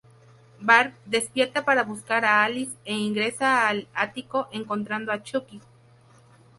Barb despierta para buscar a Alice e ingresa al ático, encontrando a Chucky.